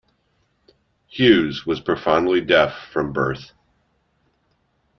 Hughes was profoundly deaf from birth.